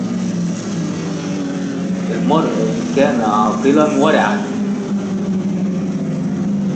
المرء إن كان عاقلا ورعاً